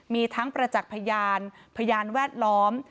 มีทั้งประจักษ์พยานพยานแวดล้อม